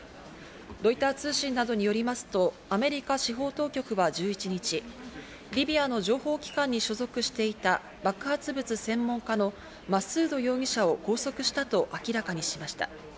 ロイター通信などによりますとアメリカ司法当局は１１日、リビアの情報機関に所属していた爆発物専門家のマスード容疑者を拘束したと明らかにしました。